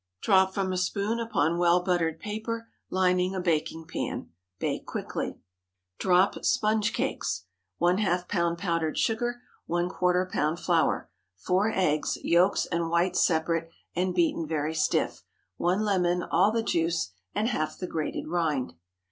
Drop from a spoon upon well buttered paper, lining a baking pan. Bake quickly. DROP SPONGE CAKES. ½ lb. powdered sugar. ¼ lb. flour. 4 eggs—yolks and whites separate, and beaten very stiff. 1 lemon—all the juice, and half the grated rind.